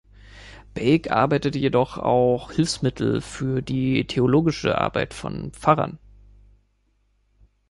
Bake erarbeitete jedoch auch Hilfsmittel für die theologische Arbeit von Pfarrern.